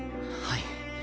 はい。